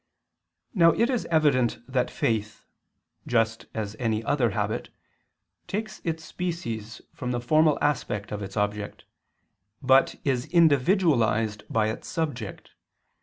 Now it is evident that faith, just as any other habit, takes its species from the formal aspect of its object, but is individualized by its subject.